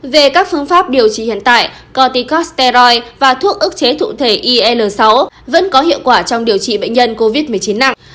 về các phương pháp điều trị hiện tại corticosteroid và thuốc ức chế thụ thể il sáu vẫn có hiệu quả trong điều trị bệnh nhân covid một mươi chín nặng